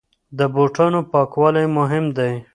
د بوټانو پاکوالی مهم دی.